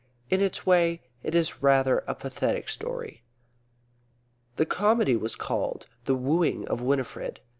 In its way it is rather a pathetic story. The comedy was called "The Wooing of Winifred."